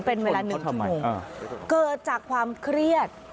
เป็นเวลา๑ชั่วโมงเกิดจากความเครียด